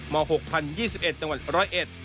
ม๖๐๒๑จังหวัด๑๐๑